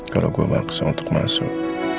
kalau guaisonalu masuk